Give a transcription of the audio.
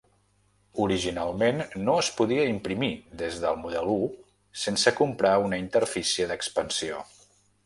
Originalment, no es podia imprimir des del Model U sense comprar una Interfície d'Expansió.